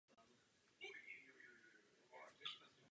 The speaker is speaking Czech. Napsal spoustu krátkých povídek.